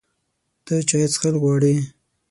ته چای څښل غواړې؟